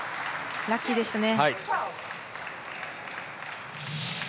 ラッキーでしたね。